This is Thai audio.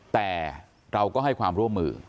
แต่เราก็ให้ความร่วมมือ